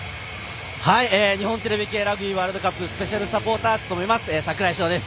日本テレビ系ラグビーワールドカップスペシャルサポーターの櫻井翔です。